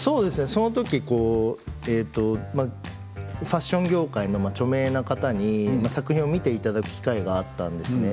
そのときファッション業界の著名な方に作品を見ていただく機会があったんですね。